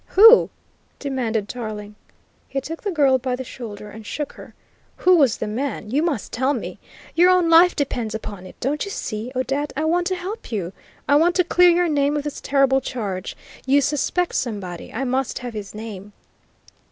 "Who?" demanded Tarling. He took the girl by the shoulder and shook her. "Who was the man? You must tell me. Your own life depends upon it. Don't you see, Odette, I want to help you? I want to clear your name of this terrible charge. You suspect somebody. I must have his name."